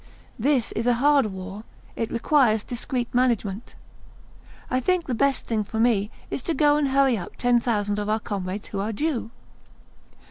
... This is a hard war; it requires discreet management. I think the best thing for me is to go and hurry up ten thousand of our comrades who are due."